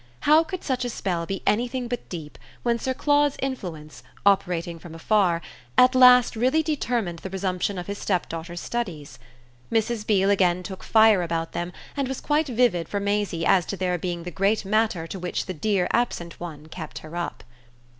How could such a spell be anything but deep when Sir Claude's influence, operating from afar, at last really determined the resumption of his stepdaughter's studies? Mrs. Beale again took fire about them and was quite vivid for Maisie as to their being the great matter to which the dear absent one kept her up.